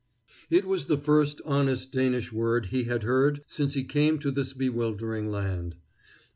It was the first honest Danish word he had heard since he came to this bewildering land.